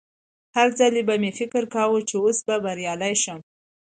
هر ځل به مې فکر کاوه چې اوس به بریالی شم